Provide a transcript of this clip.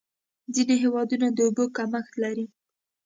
ځینې هېوادونه د اوبو کمښت لري.